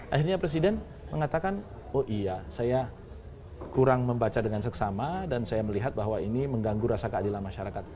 akhirnya presiden mengatakan oh iya saya kurang membaca dengan seksama dan saya melihat bahwa ini mengganggu rasa keadilan masyarakat